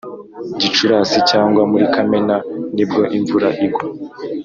gicurasi cyangwa muri kamena nibwo imvura igwa